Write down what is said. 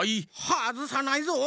はずさないぞ！